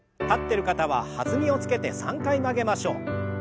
立ってる方は弾みをつけて３回曲げましょう。